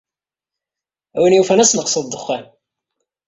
A win yufan ad tesneqseḍ ddexxan.